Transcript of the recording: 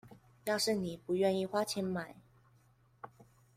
要是妳不願意花錢買